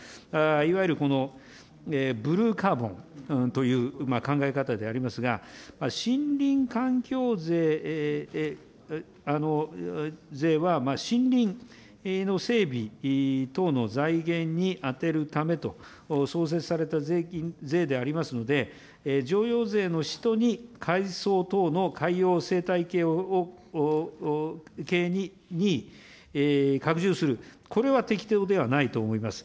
いわゆるこのブルーカーボンという考え方でありますが、森林環境税は、森林の整備等の財源に充てるためと、創設された税金、税でありますので、譲与税の使途に海藻等の海洋生態系を、系に拡充する、これは適当ではないと思います。